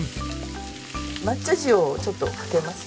抹茶塩をちょっとかけます。